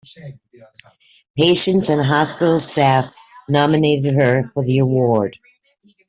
Patients and hospital staff nominated her for the award.